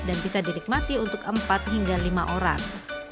dan bisa dinikmati untuk empat hingga lima orang